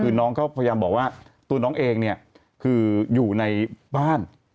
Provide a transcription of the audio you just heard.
คือน้องเขาพยายามบอกว่าตัวน้องเองเนี่ยคืออยู่ในบ้าน